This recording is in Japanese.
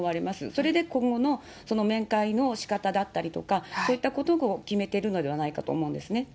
それで今後の面会のしかただったりとか、そういったことを決めているのではないかと思うんですね。